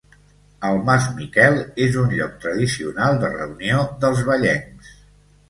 El mas Miquel és un lloc tradicional de reunió dels vallencs.